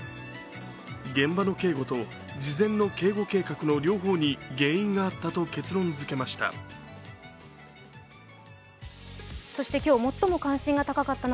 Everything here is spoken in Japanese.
現場の警護と事前の警護計画の両方に原因があったと結論づけました。